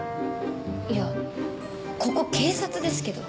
いやここ警察ですけど。